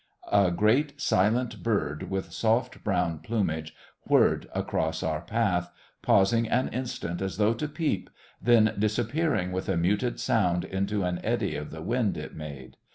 A great silent bird, with soft brown plumage, whirred across our path, pausing an instant as though to peep, then disappearing with a muted sound into an eddy of the wind it made.